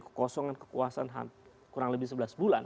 kekosongan kekuasaan kurang lebih sebelas bulan